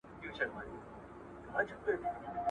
د قران لارښوونې تل د رڼا په څېر ځلیږي.